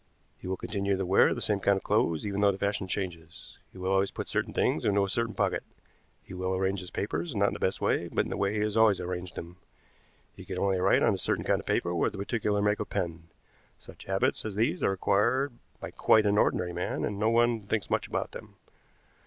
He will continue to wear the same kind of clothes, even though the fashion changes. He will always put certain things into a certain pocket. He will arrange his papers, not in the best way, but in the way he has always arranged them. He can only write on a certain kind of paper with a particular make of pen. Such habits as these are acquired by quite an ordinary man, and no one thinks much about them.